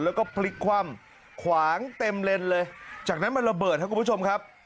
แล้วก็พลิกคว่ำขวางเต็มเลนเลยจากนั้นมันระเบิดครับคุณผู้ชมครับ